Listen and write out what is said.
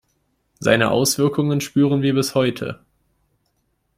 Seine Auswirkungen spüren wir bis heute.